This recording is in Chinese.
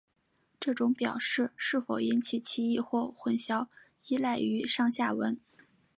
这种表示是否引起歧义或混淆依赖于上下文。